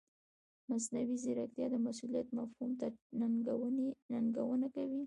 مصنوعي ځیرکتیا د مسؤلیت مفهوم ته ننګونه کوي.